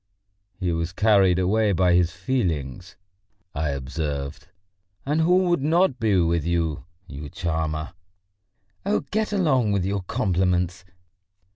"He was carried away by his feelings!" I observed. "And who would not be with you, you charmer?" "Oh, get along with your compliments!